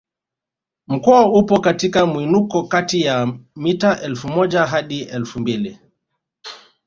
Mkoa upo katika mwinuko kati ya mita elfu moja hadi elfu mbili